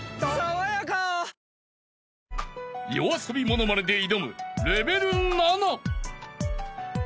［ＹＯＡＳＯＢＩモノマネで挑むレベル